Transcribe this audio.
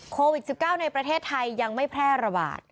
โควิด๑๙ในประเทศไทยยังไม่แพร่ระบาด